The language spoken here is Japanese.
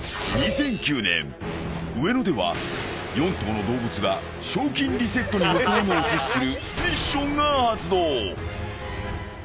［４頭の動物が賞金リセットに向かうのを阻止するミッションが発動］